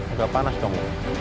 udah panas dong